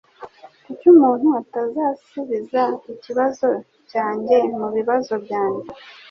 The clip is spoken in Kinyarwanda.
Kuki umuntu atazasubiza ikibazo cyanjye mubibazo byanjye?